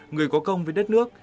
người có công với đất nước